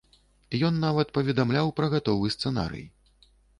Ён нават паведамляў пра гатовы сцэнарый.